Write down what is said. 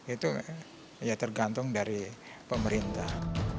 itu ya tergantung dari pemerintah